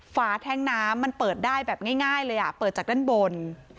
ฝาแท้งน้ำมันเปิดได้แบบง่ายเลยเปิดจากด้านบน